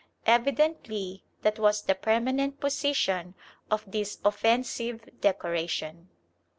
Evidently that was the permanent position of this offensive decoration.